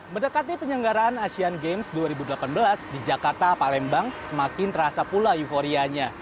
mendekati penyelenggaraan asean games dua ribu delapan belas di jakarta palembang semakin terasa pula euforianya